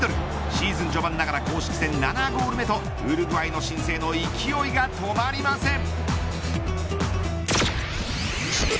シーズン序盤ながら公式戦７ゴール目とウルグアイの新星の勢いが止まりません。